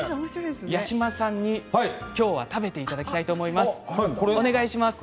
八嶋さんに、きょうは食べていただきたいと思います。